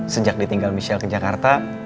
sejak ditinggal michelle ke jakarta